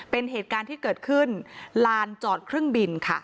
เป็นเหตุการณ์ที่เกิดขึ้นลานจอดเครื่องบินค่ะ